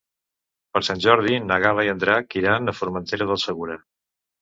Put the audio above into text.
Per Sant Jordi na Gal·la i en Drac iran a Formentera del Segura.